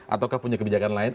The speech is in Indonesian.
ataukah punya kebijakan lain